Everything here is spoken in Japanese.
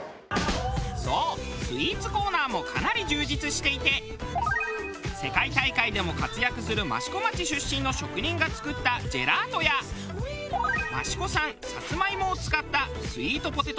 そうスイーツコーナーもかなり充実していて世界大会でも活躍する益子町出身の職人が作ったジェラートや益子産サツマイモを使ったスイートポテトスティックが人気。